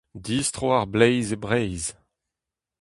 Distro ar bleiz e Breizh !